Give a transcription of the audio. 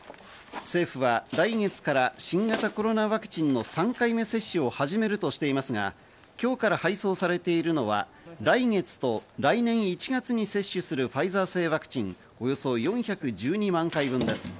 政府は来月から新型コロナワクチンの３回目接種を始めるとしていますが、今日から配送されているのは来月と来年１月に接種するファイザー製ワクチンおよそ４１２万回分です。